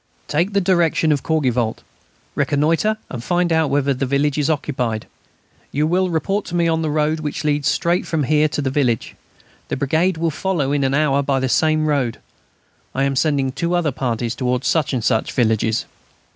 "Take the direction of Courgivault. Reconnoitre and find out whether the village is occupied. You will report to me on the road which leads straight from here to the village. The brigade will follow you in an hour by the same road. I am sending two other parties towards such and such villages."